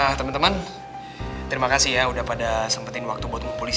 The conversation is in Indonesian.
eh teman teman terima kasih ya udah pada sempetin waktu buat nunggu polisi ya